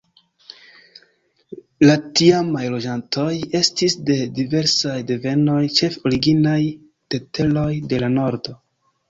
La tiamaj loĝantoj estis de diversaj devenoj, ĉefe originaj de teroj de la nordo.